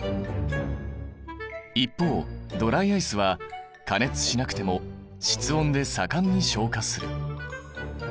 一方ドライアイスは加熱しなくても室温で盛んに昇華する。